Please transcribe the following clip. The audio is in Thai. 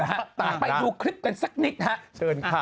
ต่อไปดูคลิปกันสักนิดนะ